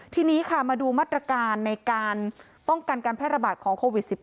ทีนี้ค่ะมาดูมาตรการในการป้องกันการแพร่ระบาดของโควิด๑๙